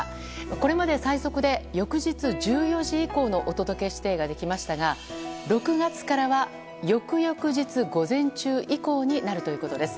これまで最速で翌日１４時以降のお届け指定ができましたが６月からは、翌々日午前中以降になるということです。